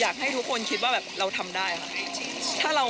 อยากให้ทุกคนคิดว่าแบบเราทำได้ค่ะ